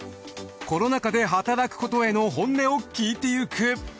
コロナ禍で働くことへの本音を聞いていく。